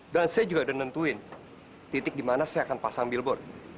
dan saya juga ada nentuin titik di mana saya akan pasang billboard